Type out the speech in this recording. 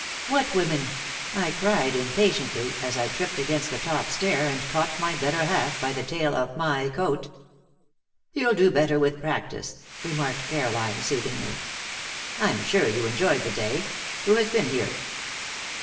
"What women?" I cried, impatiently, as I tripped against the top stair and caught my better half by the tail of my coat. "You'll do better with practice," remarked Caroline, soothingly. "I'm sure you enjoyed the day. Who has been here?"